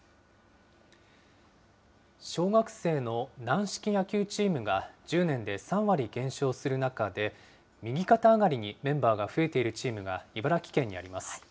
小学生の軟式野球チームが、１０年で３割減少する中で、右肩上がりにメンバーが増えているチームが、茨城県にあります。